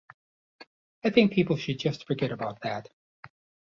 I think people should just forget about that.